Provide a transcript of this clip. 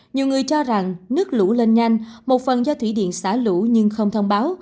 nhiều người cho rằng nước lũ lên nhanh một phần do thủy điện xả lũ nhưng không thông báo